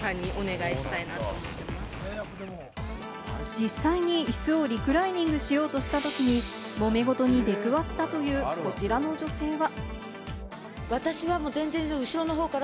実際にイスをリクライニングを使用したときに、もめ事に出くわしたという、こちらの女性は。